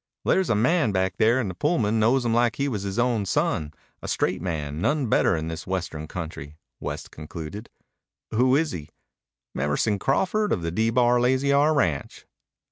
"There's a man back there in the Pullman knows him like he was his own son, a straight man, none better in this Western country," West concluded. "Who is he?" "Emerson Crawford of the D Bar Lazy R ranch."